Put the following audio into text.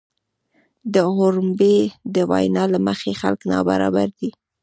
د حموربي د وینا له مخې خلک نابرابر دي.